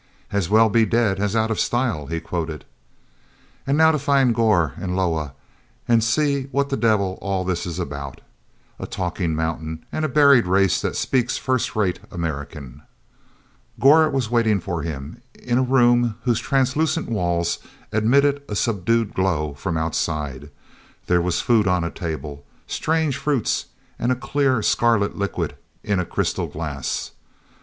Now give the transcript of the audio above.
"As well be dead as out of style," he quoted. "And now to find Gor and Loah, and see what the devil all this is about—a talking mountain and a buried race that speaks first rate American." Gor was waiting for him in a room whose translucent walls admitted a subdued glow from outside. There was food on a table, strange fruits, and a clear scarlet liquid in a crystal glass.